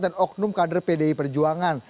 dan oknum kader pdi perjuangan